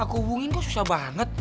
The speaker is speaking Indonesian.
aku hubungin kok susah banget